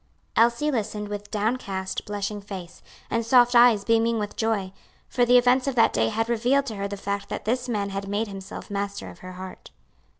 Elsie listened with downcast, blushing face, and soft eyes beaming with joy; for the events of that day had revealed to her the fact that this man had made himself master of her heart.